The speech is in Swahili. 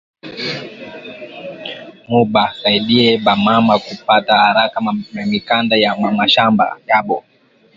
Mu ba saidiye ba mama ku pata araka ma mikanda ya ma mashamba yabo